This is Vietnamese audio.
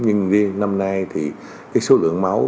nhưng riêng năm nay thì số lượng máu